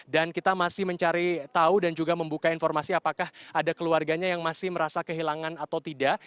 dan kita masih mencari tahu dan juga membuka informasi apakah ada keluarganya yang masih merasa kehilangan atau tidak